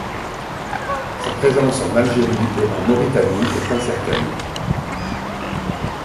Sa présence en Algérie et en Mauritanie est incertaine.